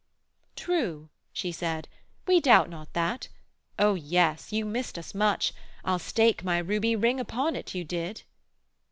'True,' she said, 'We doubt not that. O yes, you missed us much. I'll stake my ruby ring upon it you did.'